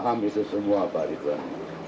saya paham itu semua pak ridwan